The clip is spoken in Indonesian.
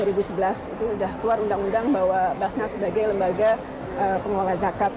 itu sudah keluar undang undang bahwa basnas sebagai lembaga pengelola zakat